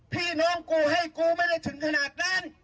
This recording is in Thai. พี่น้องกูให้กูไม่ได้ถึงขนาดนั้น